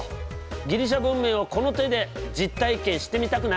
ギリシャ文明をこの手で実体験してみたくない？